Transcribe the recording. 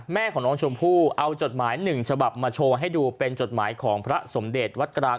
แม่ของน้องชมพู่เอาจดหมายหนึ่งฉบับมาโชว์ให้ดูเป็นจดหมายของพระสมเด็จวัดกลาง